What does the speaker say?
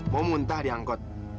mau muntah diangkut